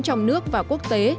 trong nước và quốc tế